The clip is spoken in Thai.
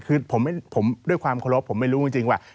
คือผมด้วยความเคารพผมไม่รู้จริงว่า